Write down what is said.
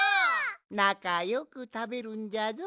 なかよくたべるんじゃぞ。